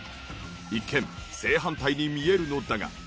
一見正反対に見えるのだが。